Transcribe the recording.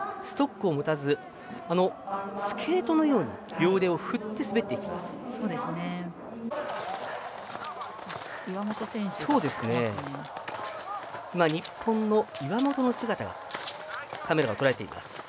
ストックを持たずスケートのように両腕を振って滑っていきます。